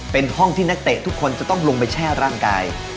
เป็นห้องที่นักเตะทุกคนจะต้องลงไปแช่ร่างกาย